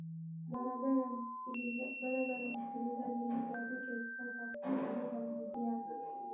barabara msikilizaji nikualike sasa kusikiliza mahojiano